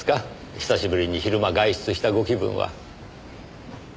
久しぶりに昼間外出したご気分は。